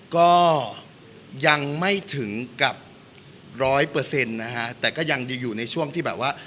ก็ยังไม่ถึงกับร้อยเปอร์เซ็นต์นะฮะแต่ก็ยังอยู่ในช่วงที่แบบว่า